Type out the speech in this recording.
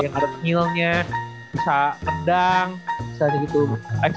yang ada kegilnya bisa pedang bisa gitu